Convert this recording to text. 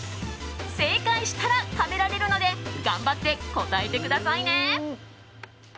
正解したら食べられるので頑張って答えてくださいね。